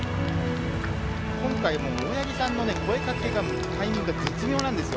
今回も、大八木さんの声かけのタイミングが絶妙なんですよ。